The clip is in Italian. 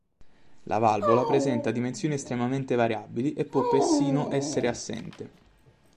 La valvola presenta dimensioni estremamente variabili e può persino essere assente.